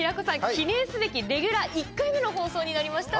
記念すべきレギュラー１回目の放送になりました。